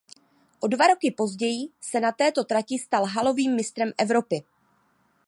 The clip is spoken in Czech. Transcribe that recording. O dva roky později se na této trati stal halovým mistrem Evropy.